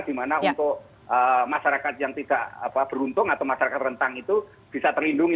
di mana untuk masyarakat yang tidak beruntung atau masyarakat rentang itu bisa terlindungi